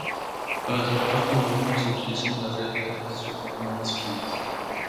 Para atrapar camarones, se utiliza una red de arrastre con mallas finas.